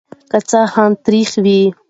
که څه هم ترخه وي.